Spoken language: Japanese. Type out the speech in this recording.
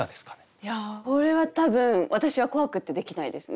いやこれは多分私は怖くってできないですね。